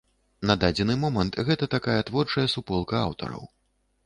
На дадзены момант гэта такая творчая суполка аўтараў.